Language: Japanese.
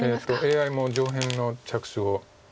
ＡＩも上辺の着手を。